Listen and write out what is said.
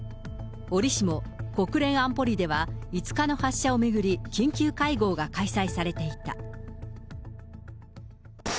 おりしも国連安保理では、５日の発射を巡り、緊急会合が開催されていた。